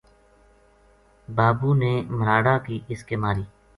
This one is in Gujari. بابو نے مراڑا کی اس کے ماری